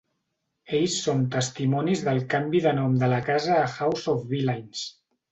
Ells són testimonis del canvi de nom de la casa a House of Villains.